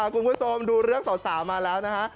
คุณผู้ชมดูเรื่องสาวมาแล้วนะฮะ